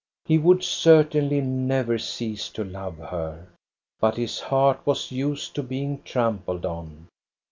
He would certainly never cease to love her, but his heart was used to being trampled on.